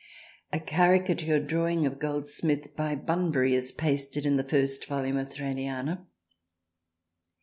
A Caricature drawing of Goldsmith by Bunbury is pasted in the first Volume of Thraliana.